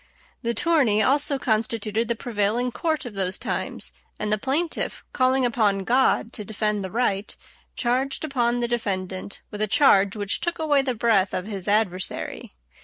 This tourney also constituted the prevailing court of those times, and the plaintiff, calling upon God to defend the right, charged upon the defendant with a charge which took away the breath of his adversary.